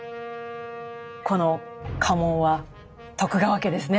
この家紋は徳川家ですね。